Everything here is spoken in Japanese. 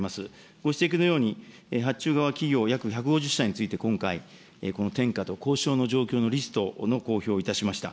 ご指摘のように、発注側企業約１５０社について今回、この転嫁と交渉の状況のリストの公表をいたしました。